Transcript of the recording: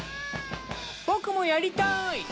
僕もやりたい！